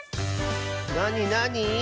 なになに？